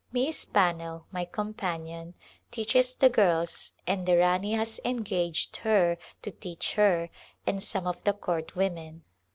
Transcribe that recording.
Miss Pannell, my companion, teaches the girls, and the Rani has engaged her to teach her and some of the court women.